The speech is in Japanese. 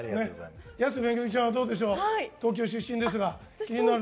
安めぐみちゃんはどうでしょう、東京出身ですが。